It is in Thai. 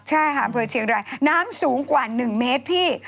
ใช่ค่ะหาเผลอเชียงรายน้ำสูงกว่าหนึ่งเมตรพี่